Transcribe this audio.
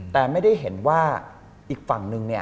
แต่ไม่ได้เห็นว่าอีกฝั่งนึงเนี่ย